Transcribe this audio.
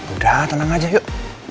udah tenang aja yuk